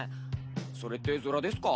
それってヅラですか？